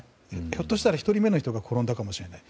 ひょっとしたら、１人目の人が転んだかもしれない。